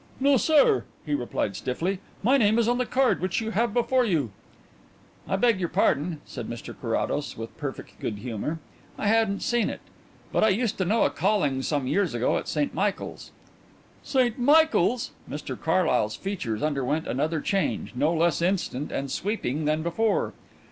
"No, sir," he replied stiffly. "My name is on the card which you have before you." "I beg your pardon," said Mr Carrados, with perfect good humour. "I hadn't seen it. But I used to know a Calling some years ago at St Michael's." "St Michael's!" Mr Carlyle's features underwent another change, no less instant and sweeping than before.